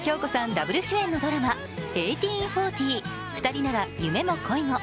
ダブル主演のドラマ「１８／４０ふたりなら夢も恋も」。